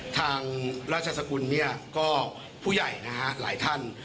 ทางราชสกุลเนี่ยก็ผู้ใหญ่นะฮะหลายท่าน